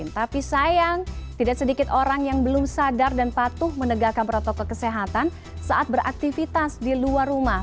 tapi sayang tidak sedikit orang yang belum sadar dan patuh menegakkan protokol kesehatan saat beraktivitas di luar rumah